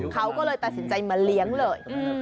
เขาก็เลยตัดสินใจมาเลี้ยงเลย